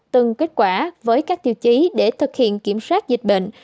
từng kết quả với các tiêu chí để thực hiện kiểm soát dịch bệnh